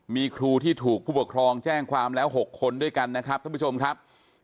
มีครูที่ถูกผู้ปกครองแจ้งความแล้ว๖คนด้วยกันนะครับท่านผู้ชมครับ